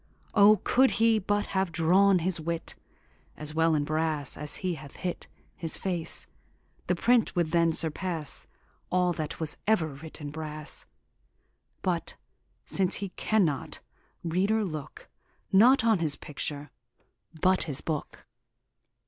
O, could he but have drawne his wit As well in brasse as he hath hit His face, the print would then surpasse All that was ever writ in brasse; But since he cannot, reader, looke Not on his picture, but his booke.